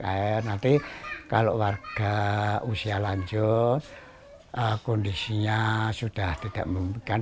air nanti kalau warga usia lanjut kondisinya sudah tidak memungkinkan